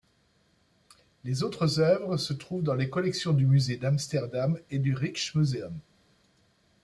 Les autres œuvres se trouvent dans les collections du Musée d'Amsterdam et du Rijksmuseum.